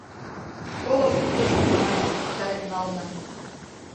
Коло пудым, манам, йоктарен нална.